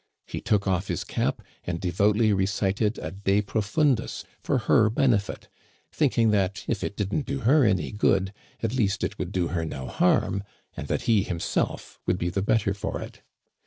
He took off his cap and devoutly re cited a de profundis for her benefit, thinking that, if it didn't do her any good, it could at least do her no harm, and that he himself would be the better for it.